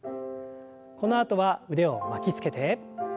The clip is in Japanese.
このあとは腕を巻きつけて。